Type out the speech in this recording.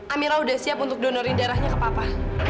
amira udah siap untuk donori darahnya ke papa